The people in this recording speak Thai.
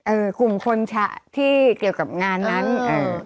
กลุ่มคนชะที่เกี่ยวกับงานนั้นเอ่อ